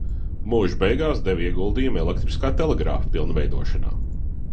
Mūža beigās deva ieguldījumu elektriskā telegrāfa pilnveidošanā.